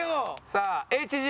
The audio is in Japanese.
さあＨＧ。